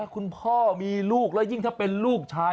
คุณพ่อมีลูกแล้วยิ่งถ้าเป็นลูกชาย